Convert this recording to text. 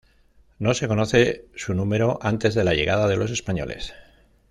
No se conoce su número antes de la llegada de los españoles.